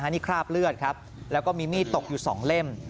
นี่คราบเลือดครับแล้วก็มีมีดตกอยู่๒เล่ม